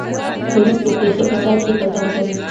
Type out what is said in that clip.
پولیس د پېښې په ځای کې پلټنه کوي.